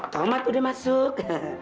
tomat udah masuk